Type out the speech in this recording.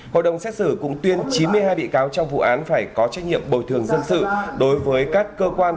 hội đồng xét xử cũng tuyên chín mươi hai bị cáo trong vụ án phải có trách nhiệm bồi thường dân sự đối với các cơ quan